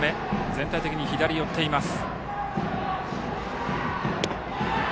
全体的に左に寄っています。